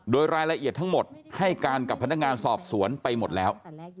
โดยรายละเอียดทั้งหมดให้การกับพนักงานสอบสวนไปหมดแล้ว